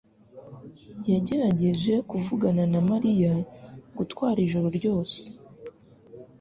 yagerageje kuvugana na Mariya gutwara ijoro ryose.